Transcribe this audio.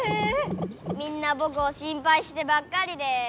みんなぼくを心ぱいしてばっかりで。